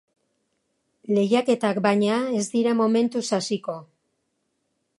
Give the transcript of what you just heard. Lehiaketak, baina, ez dira momentuz hasiko.